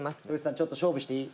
ちょっと勝負していい？